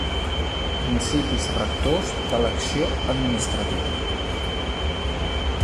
Principis rectors de l'acció administrativa.